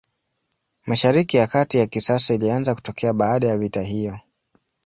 Mashariki ya Kati ya kisasa ilianza kutokea baada ya vita hiyo.